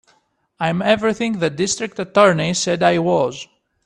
I'm everything the District Attorney said I was.